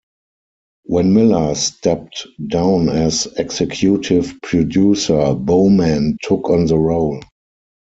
When Miller stepped down as executive producer, Bowman took on the role.